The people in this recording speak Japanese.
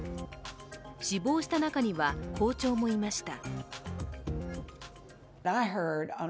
死亡した中には校長もいました。